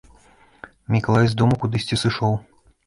Мікалай з дому кудысьці сышоў.